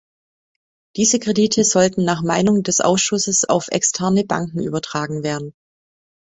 Diese Kredite sollten nach Meinung des Ausschusses auf externe Banken übertragen werden.